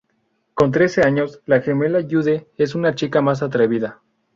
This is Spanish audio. Con trece años, la gemela Jude es una chica más atrevida.